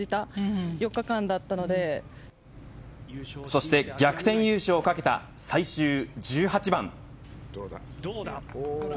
そして、逆転優勝を懸けた最終１８番。